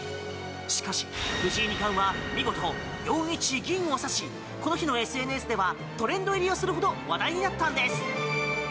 しかし、藤井二冠は見事、４一銀を指しこの日のＳＮＳではトレンド入りをするほど話題になったんです。